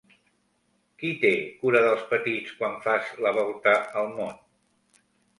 Qui té cura dels petits quan fas la volta al món?